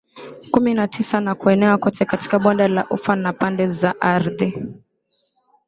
kumi na tisa na kuenea kote katika Bonde la Ufa na pande za ardhi